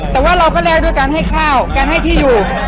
แต่ว่าเราก็แลกด้วยการให้ข้าวการให้ที่อยู่